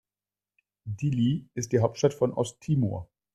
Dili ist die Hauptstadt von Osttimor.